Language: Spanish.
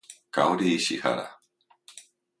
Kaori Ishihara